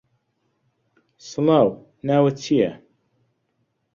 سڵاو، ناوت چییە؟